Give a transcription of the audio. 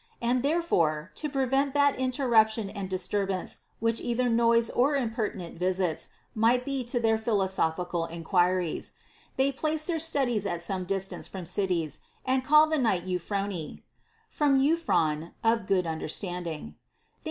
And therefore, to prevent that interruption and dis turbance which either noise or impertinent visits might be to their philosophical enquiries, they placed their studies at some distance from cities, and called the night Euphrone (from ενφροαν, of good understanding), thinking * Soph.